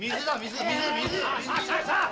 さあさあ！